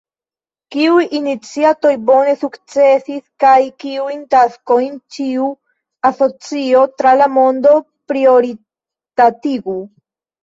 Kiuj iniciatoj bone sukcesis kaj kiujn taskojn ĉiu asocio tra la mondo prioritatigu?